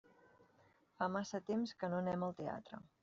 Fa massa temps que no anem al teatre.